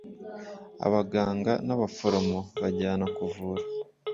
Abaganga n’ abaforomo bajyana kuvura.